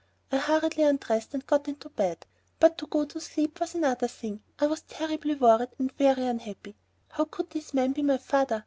I hurriedly undressed and got into bed. But to go to sleep was another thing. I was terribly worried and very unhappy. How could this man be my father?